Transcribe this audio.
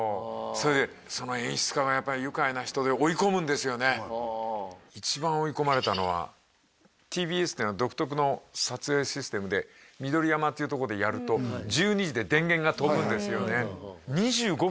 それでその演出家がやっぱり愉快な人で追い込むんですよね一番追い込まれたのはＴＢＳっていうのは独特の撮影システムで緑山っていうところでやると１２時で電源が飛ぶんですよね